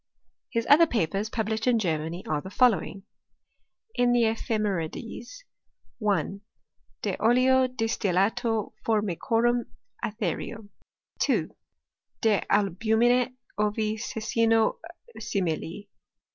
His other papers, published in Germany, are the foU » lowing : In the Ephemerides. '•' 1 . De oleo distillato formicorum sethereo. 2. De albumine ovi succino simili.